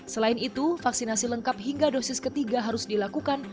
selain itu vaksinasi lengkap hingga dosis ketiga harus dilakukan